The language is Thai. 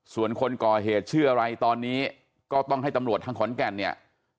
ส่วนคนก่อเหตุชื่ออะไรตอนนี้ก็ต้องให้ตำรวจทางขอนแก่นเนี่ย